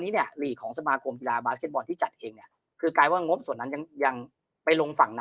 ให้สมาคมพี่ราวบาคเกรงที่จัดชิงในงบส่วนนั้นยังไปลง